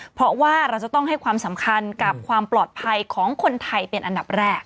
เพราะว่าเราจะต้องให้ความสำคัญกับความปลอดภัยของคนไทยเป็นอันดับแรก